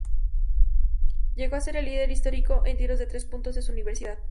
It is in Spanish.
Llegó a ser el líder histórico en tiros de tres puntos de su universidad.